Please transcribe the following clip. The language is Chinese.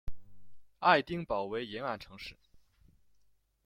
爱丁堡为沿岸城市。